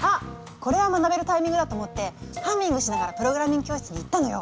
これは学べるタイミングだと思ってハミングしながらプログラミング教室に行ったのよ。